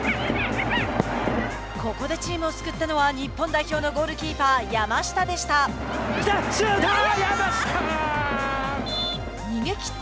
ここでチームを救ったのは日本代表のゴールキーパー山下でした。